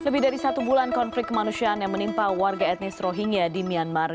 lebih dari satu bulan konflik kemanusiaan yang menimpa warga etnis rohingya di myanmar